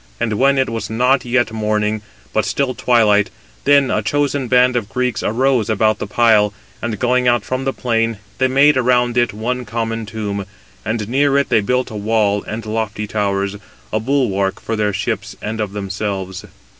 And when it was not yet morning, but still twilight, then a chosen band of Greeks arose about the pile; and going out from the plain, they made around it one common tomb, and near it they built a wall and lofty towers, a bulwark of their ships and of themselves.